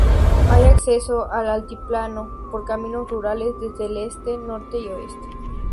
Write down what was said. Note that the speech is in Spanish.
Hay acceso al altiplano por caminos rurales desde el este, norte y oeste.